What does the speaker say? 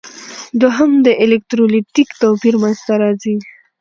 دوهم د الکترولیتیک توپیر منځ ته راځي.